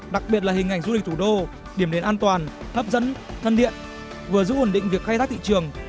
đặc biệt là hình ảnh du lịch thủ đô điểm đến an toàn hấp dẫn thân điện vừa giữ ổn định việc khai thác thị trường